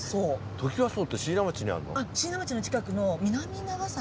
トキワ荘って椎名町にあるの？